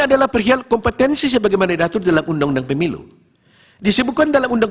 adalah perihal kompetensi sebagaimana diatur dalam undang undang pemilu disibukan dalam undang undang